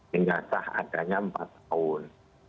hingga sah adanya empat tahun